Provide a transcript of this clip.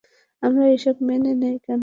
আমার এসব মনে নেই কেন?